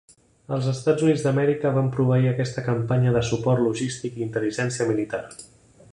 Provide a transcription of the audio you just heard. Els Estats Units d'Amèrica van proveir aquesta campanya de suport logístic i intel·ligència militar.